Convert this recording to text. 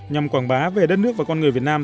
nhằm quảng bá về đất nước và con người việt nam